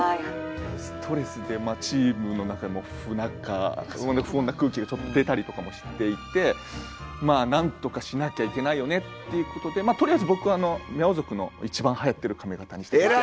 ストレスでチームの中も不仲不穏な空気が出たりとかもしていてなんとかしなきゃいけないよねっていうことでとりあえず僕「ミャオ族の一番はやってる髪形にして下さい」